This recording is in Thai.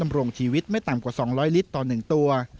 รงชีวิตไม่ต่ำกว่า๒๐๐ลิตรต่อ๑ตัว